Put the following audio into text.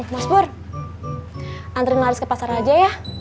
mas bur antri maris ke pasar aja ya